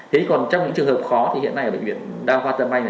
thế còn trong những trường hợp khó thì hiện nay ở bệnh viện đa hoa tâm anh